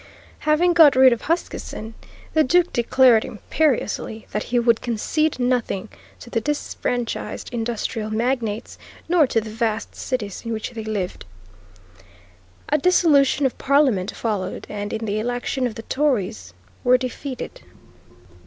Having got rid of Huskisson, the Duke declared imperiously that he would concede nothing to the disfranchised industrial magnates, nor to the vast cities in which they lived. A dissolution of Parliament followed and in the election the Tories were defeated.